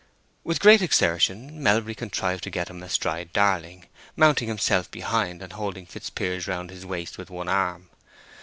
With great exertion Melbury contrived to get him astride Darling, mounting himself behind, and holding Fitzpiers round his waist with one arm.